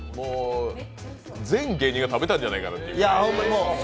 全芸人が食べたんじゃないかっていう。